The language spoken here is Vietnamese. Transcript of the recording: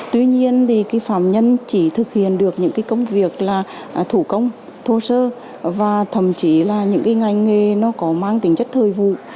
tuy nhiên phạm nhân chỉ thực hiện được những công việc thủ công thô sơ và thậm chí là những ngành nghề có mang tính chất thời vụ